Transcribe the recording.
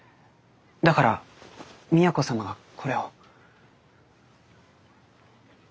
だから都様がこれを。